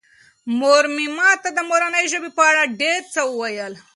مور مې ماته د مورنۍ ژبې په اړه ډېر څه وویل.